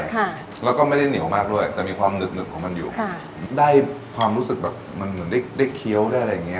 ค่ะแล้วก็ไม่ได้เหนียวมากด้วยแต่มีความหนึบหึบของมันอยู่ค่ะได้ความรู้สึกแบบมันเหมือนได้ได้เคี้ยวได้อะไรอย่างเงี้